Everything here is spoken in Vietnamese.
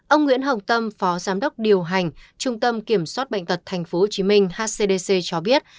ông nguyễn hồng tâm phó giám đốc điều hành trung tâm kiểm soát bệnh tật tp hcm hcdc cho biết